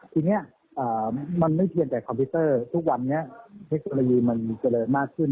ทีนี้มันไม่เพียงแต่คอมพิวเตอร์ทุกวันนี้เทคโนโลยีมันเจริญมากขึ้น